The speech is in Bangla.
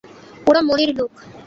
ওরা মনির লোক।